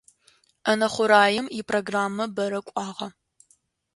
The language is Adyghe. Ӏэнэ хъураем ипрограммэ бэрэ кӏуагъэ.